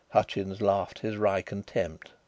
Hutchins laughed his wry contempt.